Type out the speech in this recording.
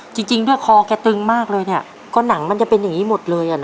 จริงจริงด้วยคอแก่ตึงมากเลยเนี้ยก็หนังมันจะเป็นอย่างงี้หมดเลยอ่ะเนอะ